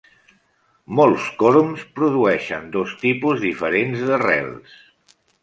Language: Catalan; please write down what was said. Molts corms produeixen dos tipus diferents de rels.